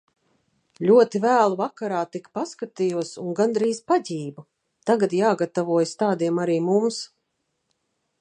Ļoti vēlu vakarā tik paskatījos un gandrīz paģību. Tagad jāgatavojas tādiem arī mums.